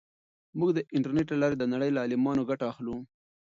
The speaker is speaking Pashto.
موږ د انټرنیټ له لارې د نړۍ له عالمانو ګټه اخلو.